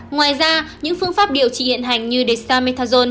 ngoài ra những phương pháp điều trị hiện hành như dexamethasone